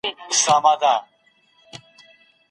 په حال او راتلونکي کي د نکاح قيد رفع ته څه وايي؟